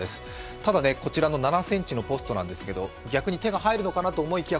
ただこちらの７ｃｍのポストですが、逆に手が入るのかなと思いきや